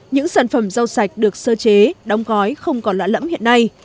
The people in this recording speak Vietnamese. những sản phẩm rau sạch được sơ chế đóng gói không còn lạ lẫm hiện nay